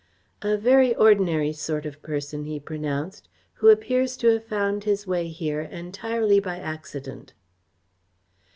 "A very ordinary sort of person," he pronounced, "who appears to have found his way here entirely by accident."